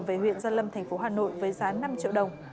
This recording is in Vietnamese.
về huyện gia lâm thành phố hà nội với giá năm triệu đồng